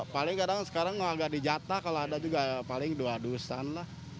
paling kadang sekarang agak dijata kalau ada juga paling dua dusan lah